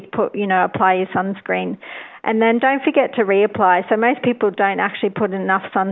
ketika orang orang tidak mengenai kemarin mereka akan berada di bawah sun